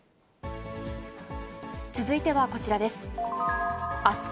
続いてはこちらです。